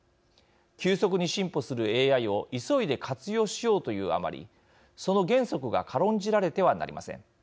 急速に進歩するＡＩを急いで活用しようというあまりその原則が軽んじられてはなりません。